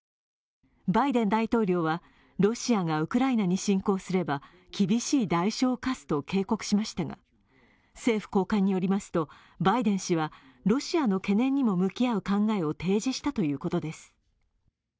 バイデン大統領は、ロシアがウクライナに侵攻すれば厳しい代償を科すと警告をしましたが、政府高官によりますと、バイデン氏はロシアの懸念にも向き合う考えを提示したということです。